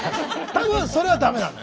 多分それは駄目なの。